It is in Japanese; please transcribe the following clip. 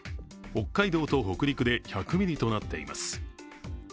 北海道と北陸で１００ミリとなっています。